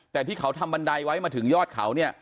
แต่ที่เขาทำบันไดไว้มาถึงยอดเขาเนี่ย